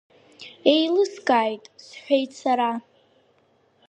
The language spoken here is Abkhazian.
Еилыскааит, – сҳәеит сара.